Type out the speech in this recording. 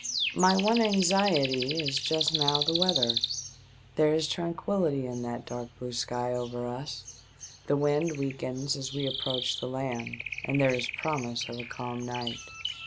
My one anxiety is just now the weather. There is tranquihty in that dark blue sky over us ; the wind weakens as we approach the land, and there is promise of a calm night.